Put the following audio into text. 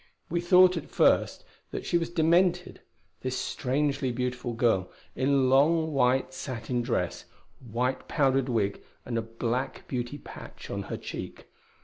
We thought at first that she was demented this strangely beautiful girl in long white satin dress, white powdered wig and a black beauty patch on her check.